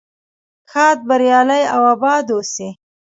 ښاد بریالي او اباد اوسئ.